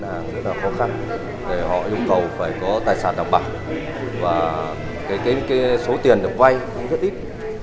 họ yêu cầu phải có tài sản đảm bảo và số tiền được vai cũng rất ít